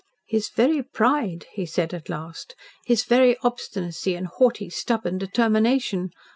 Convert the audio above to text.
"His very pride," he said at last, "his very obstinacy and haughty, stubborn determination.